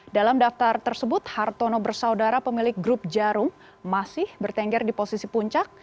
dalam daftar tersebut hartono bersaudara pemilik grup jarum masih bertengger di posisi puncak